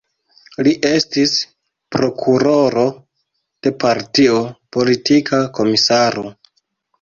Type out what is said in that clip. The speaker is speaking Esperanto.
Li estis prokuroro de partio, politika komisaro.